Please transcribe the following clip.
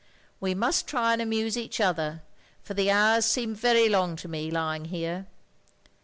We must try and amuse each other, for the hoxirs seem very long to me, lying here."